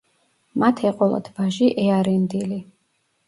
მათ ეყოლათ ვაჟი ეარენდილი.